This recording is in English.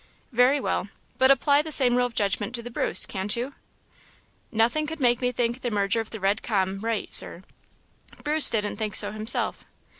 "Very well: but apply the same rule of judgement to the Bruce, can't you?" "Nothing could make me think the murder of the Red Comyn right, Sir. Bruce didn't think so himself."